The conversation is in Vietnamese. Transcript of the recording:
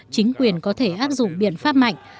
chính quyền có thể áp dụng biện pháp mạnh